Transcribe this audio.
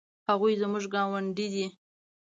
هغوی زموږ ګاونډي دي